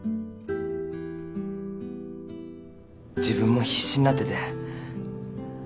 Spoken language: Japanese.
自分も必死になってて。